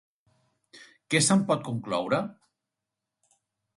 Què se'n pot concloure?